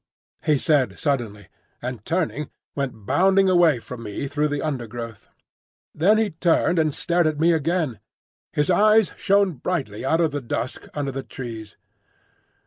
he said suddenly, and turning went bounding away from me through the undergrowth. Then he turned and stared at me again. His eyes shone brightly out of the dusk under the trees.